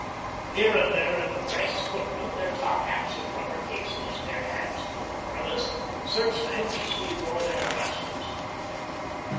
Here and there in the press, footmen, their top hats in rubber cases, their hands full of umbrellas, searched anxiously for their masters.